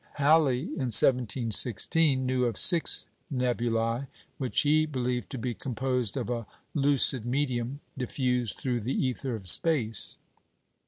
" Halley in 1716 knew of six nebulæ, which he believed to be composed of a "lucid medium" diffused through the ether of space.